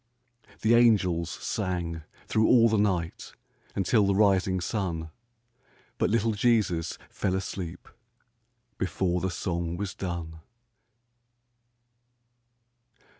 The angels sang thro' all the night Until the rising sun, But little Jesus fell asleep Before the song was done.